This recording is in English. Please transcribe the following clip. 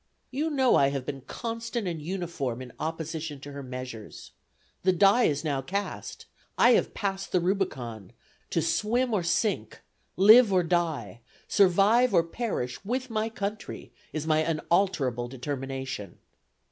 You know I have been constant and uniform in opposition to her measures; the die is now cast; I have passed the Rubicon; to swim or sink, live or die, survive or perish with my country, is my unalterable determination."